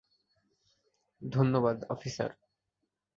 ধন্যবাদ, অফিসার।